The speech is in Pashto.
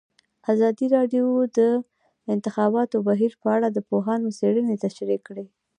ازادي راډیو د د انتخاباتو بهیر په اړه د پوهانو څېړنې تشریح کړې.